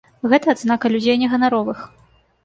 Гэта адзнака людзей не ганаровых.